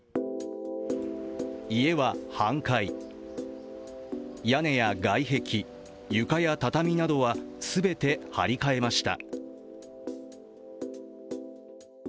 家は半壊、屋根や外壁、床や畳などはすべて張り替えました。